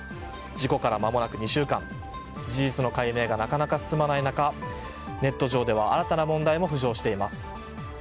事故からまもなく２週間事実の解明がなかなか進まない中ネット上では新たな問題も浮上しています。